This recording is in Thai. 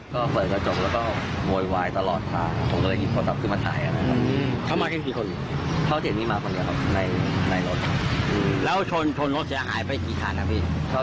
คุยอยู่ข้างนี้ครับแล้วก็แก่เกียร์เอาตัวไปร่วงคับ